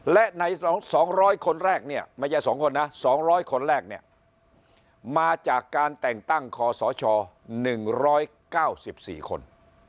และใน๒๐๐คนแรกเนี่ยไม่ใช่๒คนนะ๒๐๐คนแรกเนี่ยมาจากการแต่งตั้งคอสช๑๙๔คน